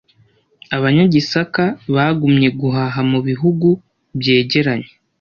Abanyagisaka bagumye guhaha mu bihugu byegeranye.